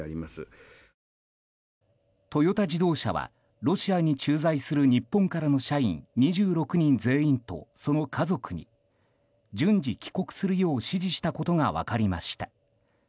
トヨタ自動車はロシアに駐在する日本からの社員２６人全員とその家族に順次帰国するよう指示したことが分かりました。